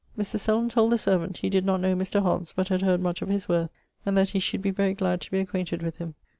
Mr. Selden told the servant, he did not know Mr. Hobbes, but had heard much of his worth, and that he should be very glad to be acquainted with him.